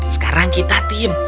sekarang kita tim